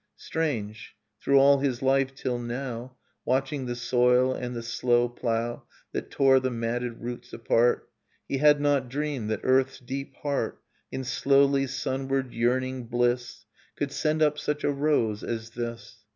Strange! through all his life till now. Watching the soil and the slow plough That tore the matted roots apart, Innocence He had not dreamed that earth's deep heart In slowly sunward yearning bUss Could send up such a rose as this